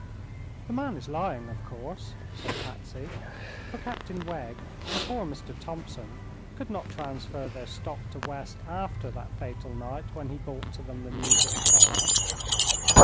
"The man is lying, of course," said Patsy, "for Captain Wegg and poor Mr. Thompson could not transfer their stock to West after that fatal night when he brought to them the news of the fire."